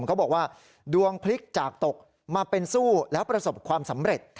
เขาบอกว่าดวงพลิกจากตกมาเป็นสู้แล้วประสบความสำเร็จ